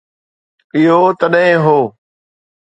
اهو تڏهن هو.